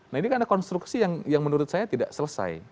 nah ini kan ada konstruksi yang menurut saya tidak selesai